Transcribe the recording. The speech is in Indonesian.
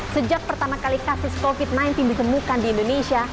sejak pertama kali kasus covid sembilan belas ditemukan di indonesia